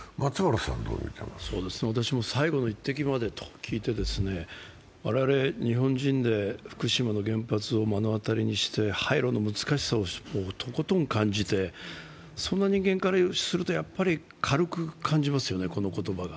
私も最後の１滴までと聞いて我々、日本人で福島の原発を目の当たりにして廃炉の難しさをとことん感じて、そんな人間からすると、やっぱり軽く感じますよね、この言葉が。